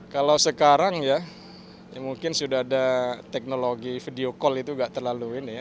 kalau sekarang ya mungkin sudah ada teknologi video call itu nggak terlalu ini ya